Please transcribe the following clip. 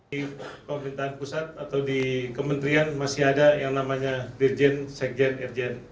di pemerintahan pusat atau di kementerian masih ada yang namanya dirjen sekjen irjen